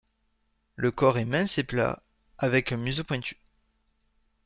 Le corps est mince et plat avec un museau pointu.